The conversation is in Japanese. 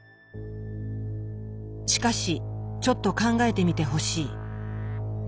しかしちょっと考えてみてほしい。